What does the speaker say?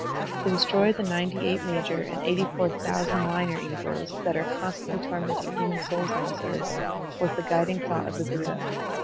To destroy the ninety eight major and eighty four thousand minor evils, that are constantly tormenting human souls on this earth, was the guiding thought of the Buddha.